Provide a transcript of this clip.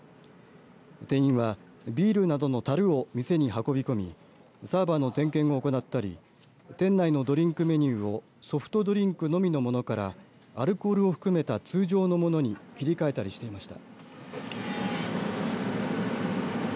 店員はビールなどのたるを店に運び込みサーバーの点検を行ったり店内のドリンクメニューをソフトドリンクのみのものからアルコールを含めた通常のものに切り替えたりしていました。